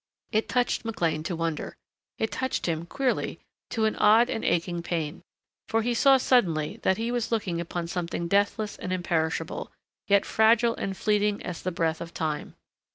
It touched McLean to wonder. It touched him queerly to an odd and aching pain. For he saw suddenly that he was looking upon something deathless and imperishable, yet fragile and fleeting as the breath of time....